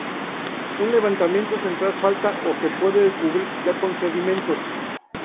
Un levantamiento central falta o se puede cubrir ya con sedimentos.